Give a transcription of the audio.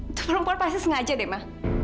itu perempuan pasti sengaja deh mak